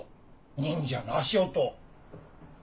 忍者の足音。